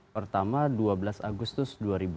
pertama dua belas agustus dua ribu delapan belas